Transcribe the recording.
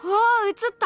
映った！